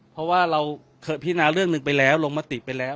เพราะว่าเราพินาเรื่องหนึ่งไปแล้วลงมติไปแล้ว